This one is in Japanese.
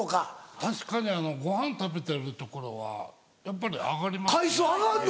確かにごはん食べてるところはやっぱり上がりますね。